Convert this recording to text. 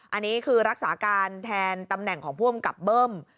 อันนี้คือรักษาการแทนตำแหน่งของผู้อำกับเบิ้ม